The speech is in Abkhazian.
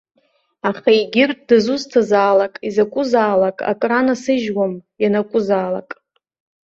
Аха егьырҭ, дызусҭазаалак, изакәызаалак акы ранасыжьуам, ианакәызаалак!